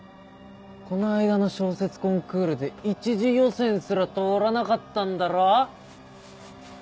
この間の小説コンクールで一次予選すら通らなかったんだろ？